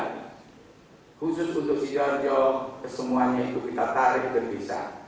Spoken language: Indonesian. saya khusus untuk sidarjo kesemuanya itu kita tarik ke desa